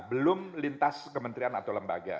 belum lintas kementerian atau lembaga